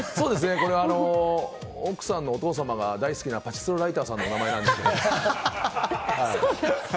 これは、奥さんのお父様が大好きなパチスロライターさんの名前なんです。